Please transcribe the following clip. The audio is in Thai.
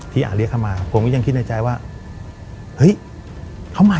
ที่ฮ่าเรียกเข้ามาผมก็ยังคิดในใจว่า